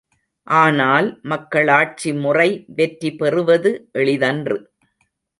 ஆனால், மக்களாட்சி முறை வெற்றி பெறுவது எளிதன்று.